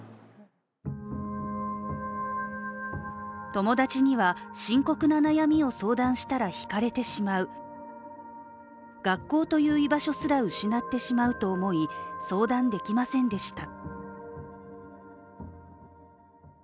友達には深刻な悩みを相談したら引かれてしまう、学校という居場所すら失ってしまうと思い、相談できませんでした。